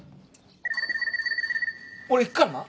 俺行くからな。